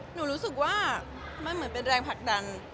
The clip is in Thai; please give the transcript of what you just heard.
รู้สึกว่ามันเหมือนเป็นแรงผลักดัน